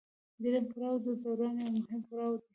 دریم پړاو د دوران یو مهم پړاو دی